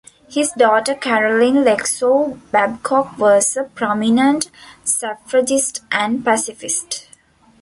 His daughter Caroline Lexow Babcock was a prominent suffragist and pacifist.